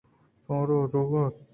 شما ورگ ءَ اِت۔